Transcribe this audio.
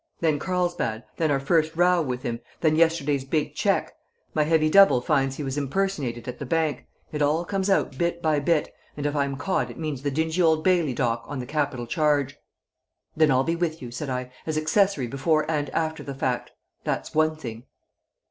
Then Carlsbad, then our first row with him, then yesterday's big cheque; my heavy double finds he was impersonated at the bank; it all comes out bit by bit, and if I'm caught it means that dingy Old Bailey dock on the capital charge!" "Then I'll be with you," said I, "as accessory before and after the fact. That's one thing!"